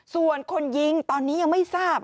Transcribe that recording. ส่วนคนยิงตอนนี้ยังไม่ทราบ